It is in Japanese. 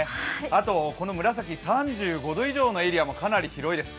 あと、紫、３５度以上のエリアもかなり広いです。